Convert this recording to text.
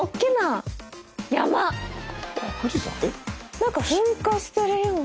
何か噴火してるような。